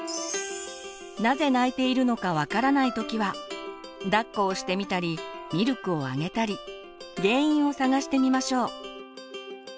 なぜ泣いているのか分からない時はだっこをしてみたりミルクをあげたり原因を探してみましょう。